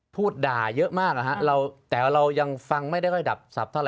พูดด่าเยอะมากนะฮะแต่ว่าเรายังฟังไม่ค่อยดับสับเท่าไ